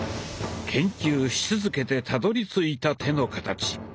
研究し続けてたどりついた手の形。